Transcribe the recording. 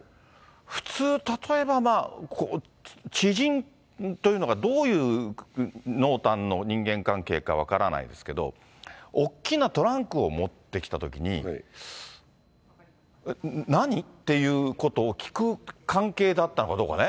普通、例えばまあ、知人というのがどういう濃淡の人間関係か分からないですけど、大きなトランクを持ってきたときに、何？っていうことを聞く関係だったのかどうかね。